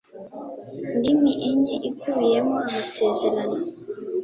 ndimi enye ikubiyemo amasezerano